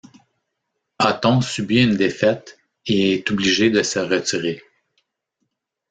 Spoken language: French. Otton subit une défaite et est obligé de se retirer.